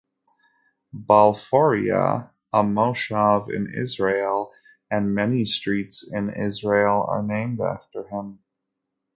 Balfouria, a moshav in Israel and many streets in Israel are named after him.